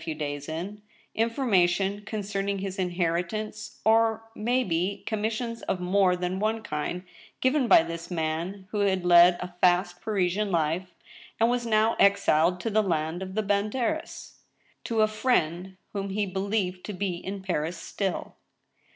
few days in ; information concerning his inheritance ; or may be com missions of more than one kind, given by this man who had led a fast Parisian life, and was now exiled to the land of the baytuUres, to a friend whom he believed to be in Paris still.